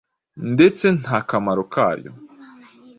ndetse nt’akamaro kayo